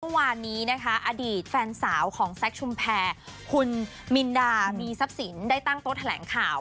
เมื่อวานนี้นะคะอดีตแฟนสาวของแซคชุมแพรคุณมินดามีทรัพย์สินได้ตั้งโต๊ะแถลงข่าว